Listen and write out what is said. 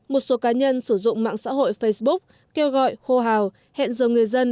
một số cá nhân sử dụng mạng xã hội facebook kêu gọi hô hào hẹn giờ người dân